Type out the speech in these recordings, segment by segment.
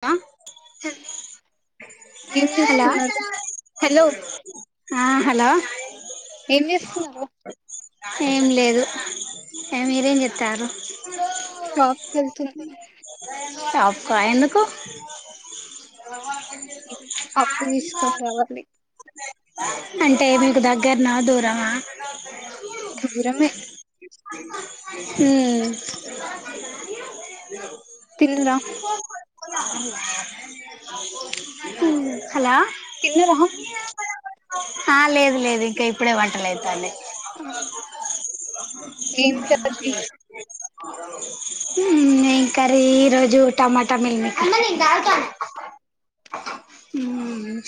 వ ఏం చేస్తున్నారు హలో హలో ఏం చేస్తున్నారు ఏం లేదు మీరేం చెతారు షాప్ కల్తు షాప్క ఎందుకు అప్పు తీసుకొని రావర అంటే మీకు దగ్గర నా దూరమా దూరమే మ్మ్ తిన్నరా హు హలో తిన్నరా లేదు లేదు ఇంకా ఇప్పుడే వంటలు అవుతడి క ఏం కర్రీ ఇంకారి ఈ రోజు టమాటా తమి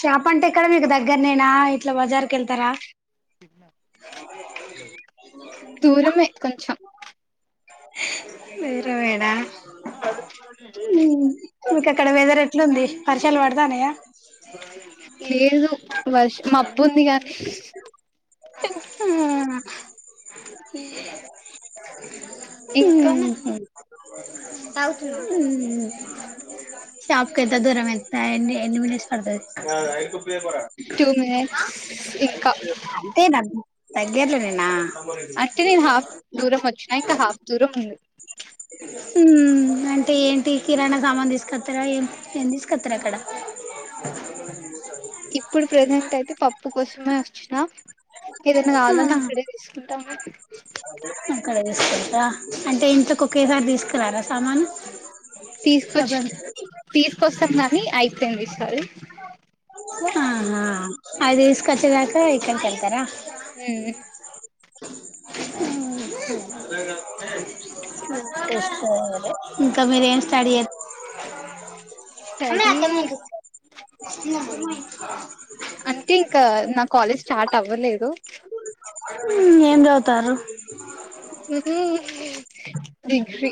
షాప్ అంటే ఇక్కడ మీకు దగ్గర నేనా ఇట్లా బజార్కి వెళ్తారా ఇనా దూరమే కొంచెం వరుమేడా మీకు అక్కడ వెదర్ ఎట్లుంది వర్షాలు పడదానయా లేదు వర్షం మబ్బు ఉంది కాగానీ హ అ హ [unintelligible] షాపు క ఎద్ద దూరం ఎంత ఎన్ని ఎన్నిమినిస్ పర్ద ఐదు ప టూ మినిట్స్ ఇంకా అంతే దగ్గర్ల నేనా అంటే నేను హాఫ్ దూరం వచ్చిన ఇంకా హాఫ్ దూరం ఉంది అంటే ఏంటి కిరాణా సామాను తీసుకొత్తరా ఏం ఏం తీసుకత్తరు అక్కడ అ ఇప్పుడు ప్రజెంట్ అయితే పప్పు కోసమే వచ్చిన ఏదైనా ఆ కావాలన అక్కడే తీసుకుంటాము అక్కడ తీసుకుంటారా అంటే ఇంట్లోకి ఒకేసారి తీసుకురారా సామాను తీసుకొచ్చి ఎప్పుడన్నా తీసుకొస్తాం కాని అయిపోయింది ఈసారి ఆహా అది తీసుకొచ్చి దాకా ఇక్కడికి వెళ్తారా అ ఇంకా మీరూ ఏం స్టడీ అ స్టడీ హత మాంట అంటే ఇంకా నా కాలేజ్ స్టార్ట్ అవ్వలేదు ఏం చదువుతారు డిగ్రీ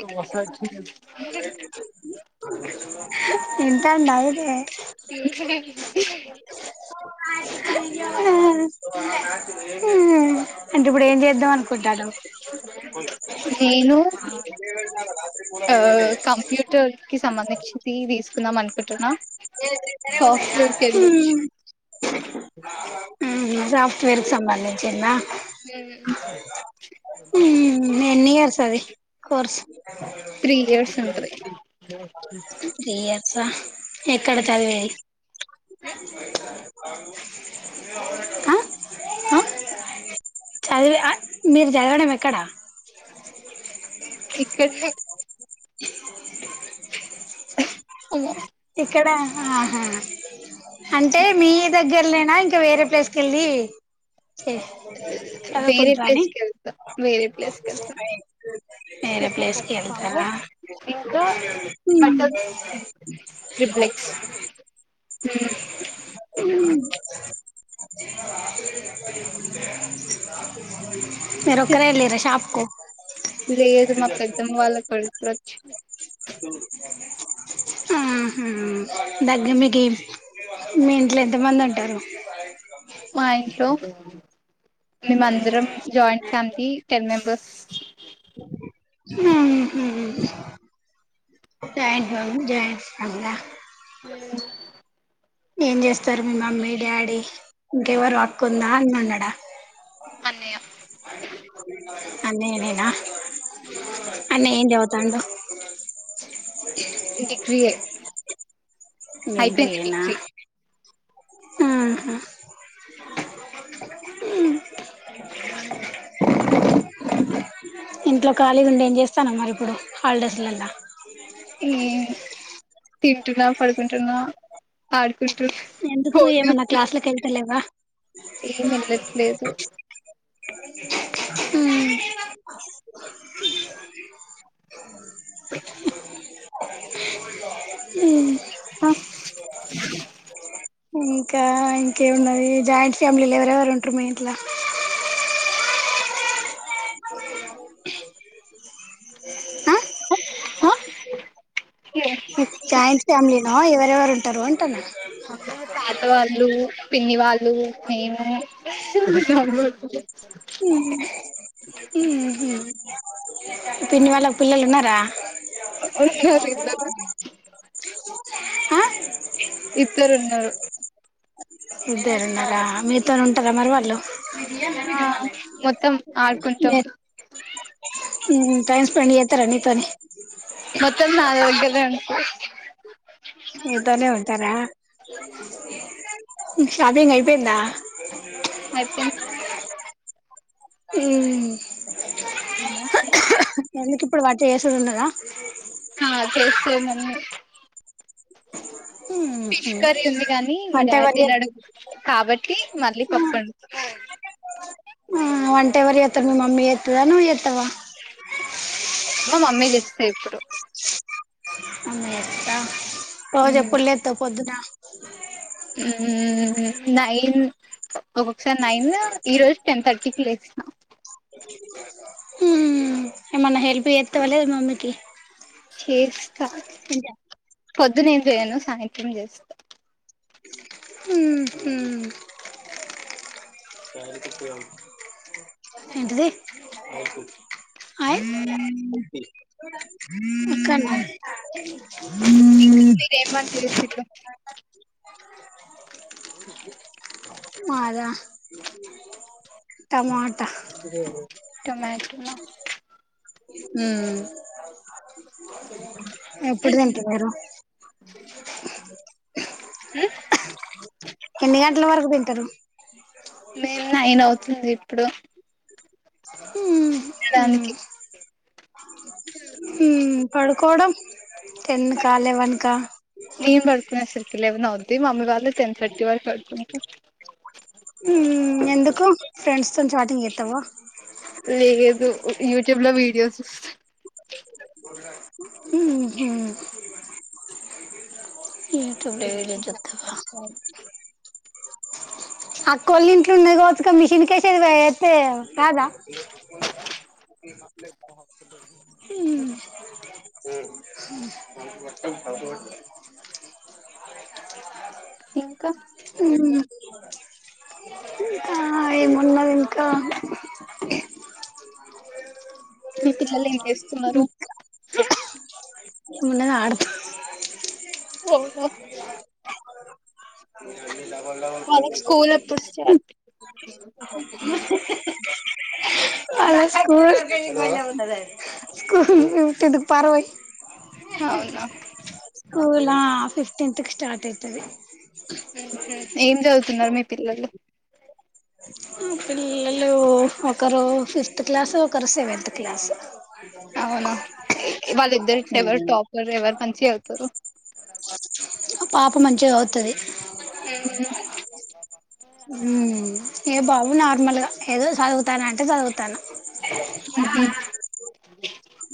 చింతా నయి ర అంటె ఇప్పుడు ఏం ఇద్దం అనుకుంటాడు నేను ఆ కంప్యూటర్ కి సంబంధించి తీసుకుందాం అనుకుంటున్నా సాఫ్ట్వేర్ కి వెళ్ళొచ్చు హ్మ్ సాఫట్వేర్ కి సంబంధించింద ఎన్ని ఇయర్స్ అది కోర్స్ త్రీ ఇయర్స్ ఉంటది త్రీ ఎక్కడ చదివేది ఆ ఆ చదివి ఆ మీరు చదవడం ఎక్కడ ఇక్కడ అమ్మో ఇక్కడ ఆహా అంటే మీ దగ్గర నా ఇంకా వేరే ప్లేస్ కి వెళ్ళి ఏ వేరే చదకుంట అని ప్లేస్ కి వెళ్తా వేరే ప్లేస్ కి వెళ్తా వేరే ప్లేస్కి వెళ్తారా ఇంకా బట్టర్ ట్రిప్లెక్స్ హ్మ్ అ మీరొక్కలే వెళ్ళిర షాపుకు లేదు మా పెద్దమ వాళ్ళ కొడుకు వచ్చిండు ఆహ [unintelligible] మీ ఇంట్లో ఎంత మంది ఉంటారు మా ఇంట్లో మేమందరం joint family ten members joint family joint family హ ఏం చేస్తారు మీ మమ్మీ డాడీ ఇంకెవరు అక్క ఉందా అన్న ఉన్నాడా అన్నయ్య అన్నయా నేనా అన్నయ్య ఏం చదుత ఉండు డిగ్రీ ఏ మీకు అయిపోయింది ఏనా ఉహు ఇంట్లో ఖాళీగా ఉండి ఏం చేస్తాన మరి ఇప్పుడు హాలిడేస్లల ఏం తింటున్నా పడుకుంటున్నా ఆడుకుంటు ఎందుకు ఫోన్ ఏమన్నా చూస్ క్లాసులకు వెళ్తలేవా ఏం వెళ్లట్లేదు ఉ ఉ ఓ ఇంకా ఇంకేమున్నది జాయింట్ ఫ్యామిలీలు ఎవరెవరు ఉంటారు మీ ఇంట్లా ఆ ఆ ఆ జాయింట్ ఫ్యామిలీనా ఎవరెవరు ఉంటారు అంటూనా అమ్మ తాత వాళ్ళు పిన్ని వాళ్ళు మేము ఉ ఉహు పిన్ని వాళ్లకి పిల్లలు ఉన్నారా అహా ఆ ఇద్దరు ఉన్నారు ఇద్దరు ఉన్నారా మీతోనే ఉంటారా మరి వాళ్ళు వి డియాన్లు అని ఆ చేపలే మొత్తం ఫాలే ఆడుకుంటాం నే ఉమ్ టైమ్ స్పెండ్ చేస్తారా నితోని మొత్తం నాలుగు వందలే అనుకో నీతోనే ఉంటారా షాపింగ్ అయిపోయిందా అయిపోయింది ఉ ఎలా ఎందుకు ఇప్పుడు వాటి చేస్తుదిన్నదా ఆ చేస్తుది మళ్ళీ ఫిష్ కర్రీ ఉంది గానీ మా వంట డాడీ ఎవరు చే తినడు కాబట్టి మళ్ళీ పప్పండి ఉ వంట ఎవరు చేతరు మీ మమ్మీ చేతదా నువ్వు చేతవా మా మమ్మీ చేస్తాయి ఇప్పుడు అ రోజు ఎప్పుడు లేతవ్ పొద్దున్న ఉమ్ నైన్ ఒక్కొక్కసారి నైన్ ఈ రోజు టెన్ థర్టీకి లే స ఉ ఏమైనా హెల్ప్ చేతవా లేదా మమ్మీకి చేస్తా పొద్దున ఏం చెయ్యను సాయంత్రం చేస్తా ఉహు ఏంటిది ఆయ ఎక్కడన్నా మీరేం వంట చేసిర్రు టొమా టొమాటోనా ఊ ఉహు ఎప్పుడు తింట్రి మీరు ఉ ఎన్ని గంటల వరకు తింటారు మేమ్ నైన్ అవుతుంది ఇప్పుడు హ్యూమ్ హు దానికి హు పడు కోడం నేన్ పడుకునేసరికి లెవెన్ అవుద్ ద్ది మమ్మీ వాళ్ళు టెన్ థర్టీ వరక్ పడుకుంట హ్మ్ ఎందుకు ఫ్రెండ్స్ తోని చాటింగ్ చేతావా లేదు యూట్యూబ్ లో వీడియోస్ చూస్తా ఊహు యూట్యూబ్ లో ఏ వీడియో చూతవా అక్కోల్ ఇంట్లో వున్నై కాచ్చుక మిషన్క ఏసేదిగా ఎత్తే కాదా ఉమ్ హ బ ఇంకా హ్మ్ ఇంకా ఏమున్నది ఇంకా మీ పిల్లలు ఏం చేస్తున్నారు ఏమున్నార్ ఆడతు ఒహో ల్ ప స్కూలేప్పుడు స్టార్ట్ మ స్కూ మ ఉన్నా స్కూల్ కుంటది పర్వై అవునా స్కూలా ఫిఫ్టీన్త్ కి స్టార్ట్ అయితది ఏం చదువుతున్నారు మీ పిల్లలు ఆ పిల్లలు ఒకరు ఫిఫ్త్ క్లాస్ ఒకరు సెవెంతత్ క్లాస్ మెరిట్ ఎవరు టాపర్ ఎవరు మంచిగ చదువుతారు పాప మంచిగ చదువుతది ఆ హ్మ్ ఏ బాబు నార్మల్ గా ఏదో చదువుతానంటే చదువుతాన ఊహు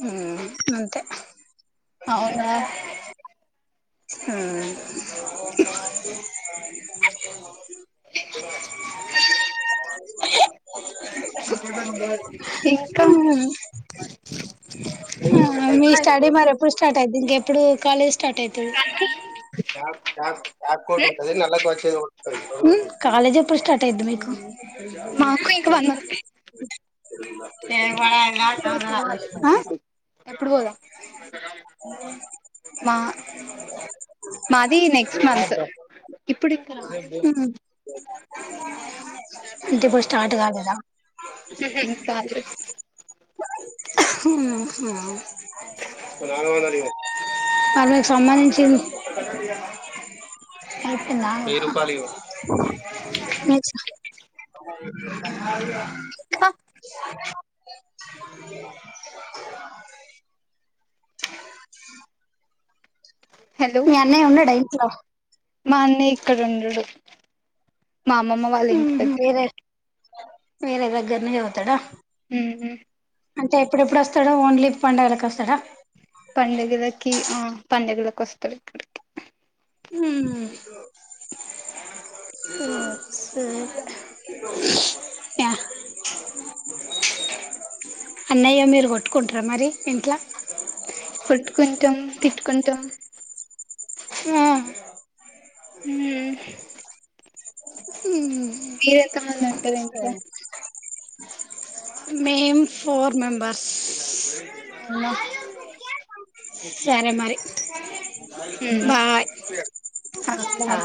ఊ అంతే అవునా ఊ ఇంకా ఊ హ్మ్ మీ స్టడీ మరెఎప్పుడు స్టార్ట్ అయిధీ ఇంకెప్పుడు కాలేజ్ స్టార్ట్ తెలీదు హ్మ్ కాలేజ్ ఎప్పుడు స్టార్ట్ అయిది మీకు మాకు ఇంక వన్ మంత్ [unintelligible] ఆ ఎప్పుడు పోదాం మా మాది నెక్స్ట్ మంత్ అంటె ఇప్పు స్టార్ట్ కా ఊహు కాదు హు సంబంధించింది అయిపోయిందా నెక్స్ట్ [unintelligible] హలో మీ అన్నయ ఉన్నాడా ఇంట్లో మా అన్నయ్య ఇక్కడ ఉండడు మా అమ్మమ్మ వాళ్ళ ఇంటి ఉహు దగ్గర వేరే వేరే దగ్గరానే పోతాడ ఊ ఉ అంటే ఎప్పుడెప్పుడు వస్తాడు ఓన్లీ పండుగలకు వస్తాడా పండగలకి ఆ పండగల కి వస్తడు కొడుకు ఊ వస్తాడు యా అన్నయ్య మీరు కొట్టుకుంటారా మరి ఇంట్లా కొట్టుకుంటాం తిట్టుకుంటాం ఆ ఉహ్ హూ మీరే ఎంత మంది ఉంటారు ఇంట్లో మేం పోర్ మెంబర్స్ అవునా సరే మరి ఉమ్ బాయ్ ఆ హా బాయ్